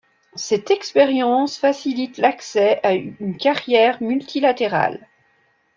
Cette expérience facilite l’accès à une carrière multilatérale.